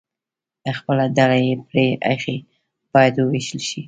خپله ډله یې پرې ایښې، باید ووېشتل شي.